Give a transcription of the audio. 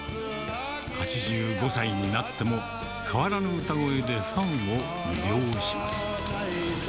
８５歳になっても変わらぬ歌声でファンを魅了します。